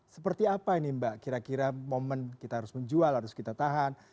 seperti apa ini mbak kira kira momen kita harus menjual harus kita tahan